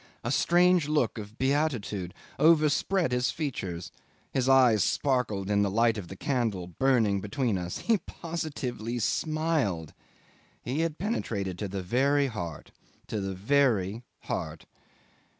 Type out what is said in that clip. A strange look of beatitude overspread his features, his eyes sparkled in the light of the candle burning between us; he positively smiled! He had penetrated to the very heart to the very heart.